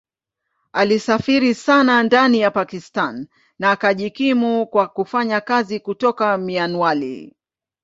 Alisafiri sana ndani ya Pakistan na akajikimu kwa kufanya kazi kutoka Mianwali.